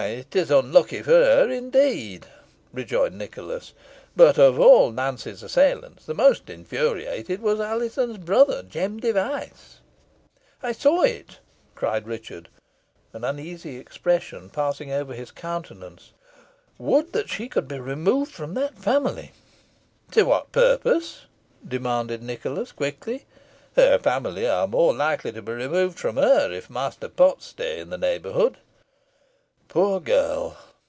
"It is unlucky for her, indeed," rejoined Nicholas; "but of all Nance's assailants the most infuriated was Alizon's brother, Jem Device." "I saw it," cried Richard an uneasy expression passing over his countenance. "Would she could be removed from that family!" "To what purpose?" demanded Nicholas, quickly. "Her family are more likely to be removed from her if Master Potts stay in the neighbourhood." "Poor girl!"